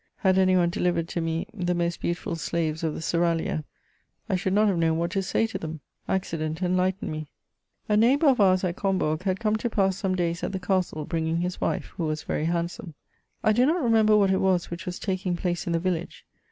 Had any one delivered to me the most beautiful slaves of the seraglio, I should not have known what to say to them : accident enlightened me A neighbour of ours at Combourg had come to pass some days at the castle, bringing his wife, who was very handsome. I do not remember what it was which was taking place in the tillage.